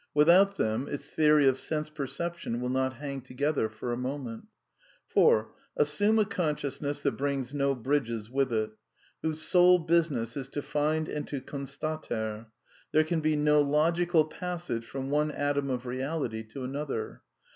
Without them its theory of sense perception will not hang together for moment. For, assume a consciousness that brings no bridges with it, whose sole business is to find and to con stater, there can be no logical passage from one atom of reality to another.